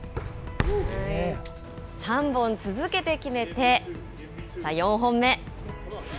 ３本続けて決めて、さあ、４本目。